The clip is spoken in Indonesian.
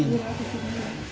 iya di sini